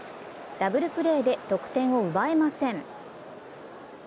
ダブルプレーで得点を奪えません。